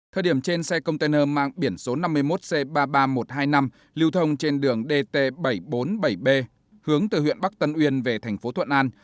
thời điểm trên xe container mang biển số năm mươi một c ba mươi ba nghìn một trăm hai mươi năm lưu thông trên đường dt bảy trăm bốn mươi bảy b hướng từ huyện bắc tân uyên về thành phố thuận an